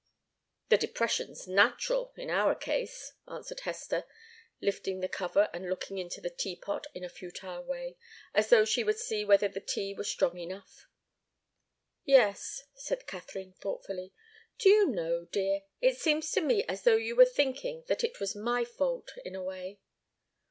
"The depression's natural in our case," answered Hester, lifting the cover and looking into the teapot in a futile way, as though she would see whether the tea were strong enough. "Yes," said Katharine, thoughtfully. "Do you know, dear? It seems to me as though you were thinking that it was my fault, in a way."